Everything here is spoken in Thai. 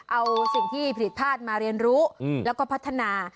เอาสิ่งที่ผิดพลาดมาเรียนรู้แล้วก็พัฒนา